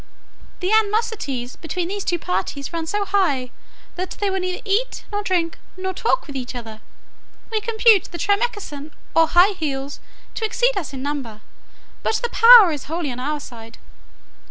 The animosities between these two parties run so high, that they will neither eat, nor drink, nor talk with each other. We compute the Tramecksan, or high heels, to exceed us in number; but the power is wholly on our side.